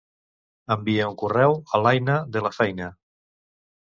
Envia un correu a l'Aina de la feina.